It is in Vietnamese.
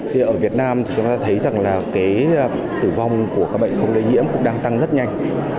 thì ở việt nam thì chúng ta thấy rằng là cái tử vong của các bệnh không lây nhiễm cũng đang tăng rất nhanh